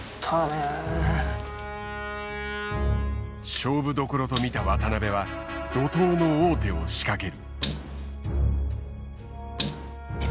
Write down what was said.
勝負どころと見た渡辺は怒とうの王手を仕掛ける。